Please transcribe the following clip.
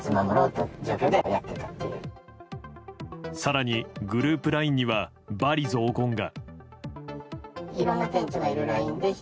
更に、グループＬＩＮＥには罵詈雑言が。